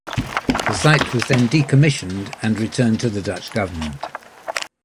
The site was then decommissioned and returned to the Dutch government.